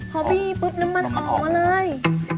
พอบี้ปุ๊บน้ำมันออกมาเลย